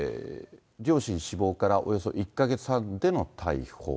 両親死亡からおよそ１か月半での逮捕。